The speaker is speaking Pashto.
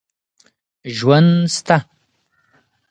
ژوند سته.